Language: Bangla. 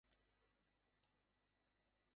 আমাকে ফোন নম্বরের লিস্টটা দাও।